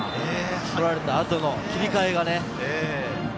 取られたあとの切り替えがね。